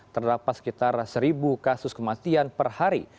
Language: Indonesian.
terdapat sekitar seribu kasus kematian per hari